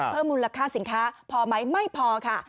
เพิ่มมูลค่าสินค้าพอไหมไม่พอค่ะ